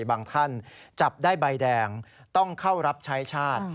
บางท่านจับได้ใบแดงต้องเข้ารับใช้ชาติ